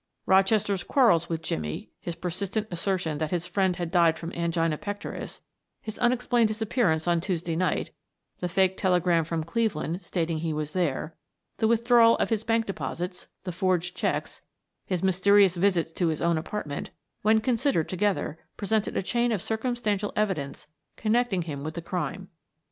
Rochester's quarrels with Jimmie, his persistent assertion that his friend had died from angina pectoris, his unexplained disappearance on Tuesday night, the fake telegram from Cleveland stating he was there, the withdrawal of his bank deposits, the forged checks, his mysterious visits to his own apartment, when considered together, presented a chain of circumstantial evidence connecting him with the crime.